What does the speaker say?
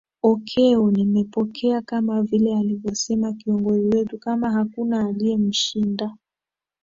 okeo nimepokea kama vile alivyosema kiongozi wetu kama hakuna aliyemshinda